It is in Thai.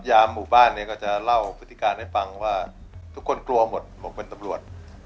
ยามหมู่บ้านเนี่ยก็จะเล่าพฤติการให้ฟังว่าทุกคนกลัวหมดบอกเป็นตำรวจ